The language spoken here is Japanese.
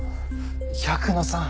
百野さん。